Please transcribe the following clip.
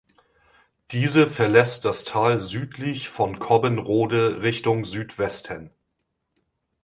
Diese verlässt das Tal südlich von Cobbenrode Richtung Südwesten.